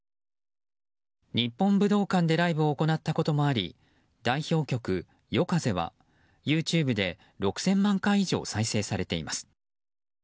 日本武道館でライブを行ったこともあり代表曲「ＹＯＫＡＺＥ」はＹｏｕＴｕｂｅで６０００万回以上再生されています。